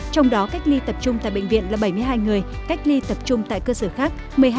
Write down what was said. trong đó cách ly tập trung tại bệnh viện là bảy mươi hai người cách ly tập trung tại cơ sở khác